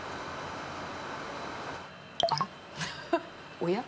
おや？